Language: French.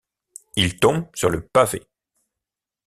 Il tombe sur le pavé.